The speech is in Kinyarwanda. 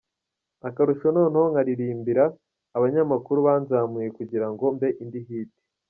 Akarusho noneho nkaririmbira abanyamakuru banzamuye kugira ngo mbe ndi Hit.